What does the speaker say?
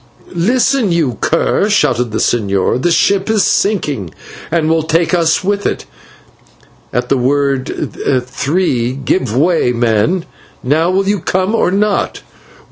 "Listen, you cur," shouted the señor, "the ship is sinking and will take us with it. At the word 'three,' give way, men. Now will you come, or not?